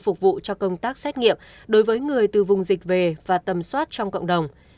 phục vụ cho công tác xét nghiệm đối với người từ vùng dịch về và tầm soát trong cộng đồng